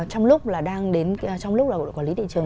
trong lúc là đang trong lúc là đội quản lý thị trường